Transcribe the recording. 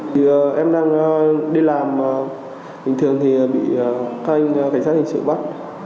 thì em đang đi làm bình thường thì bị các anh cảnh sát hình sự bắt